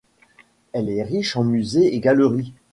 Elle est riche en musées et galeries.